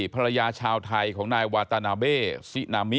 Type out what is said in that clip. ภรรยาชาวไทยของนายวาตานาเบซินามิ